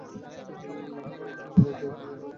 তোমার এই ছোট মাথায়, একটা কথা ঢুকিয়ে নেও।